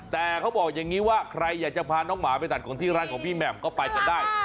แต่เขาบอกอย่างนี้ว่าใครอยากจะพาน้องหมาไปตัดขนที่ร้านของพี่แหม่มก็ไปกันได้